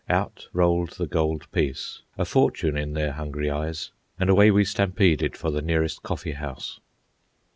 Out rolled the gold piece, a fortune in their hungry eyes; and away we stampeded for the nearest coffee house.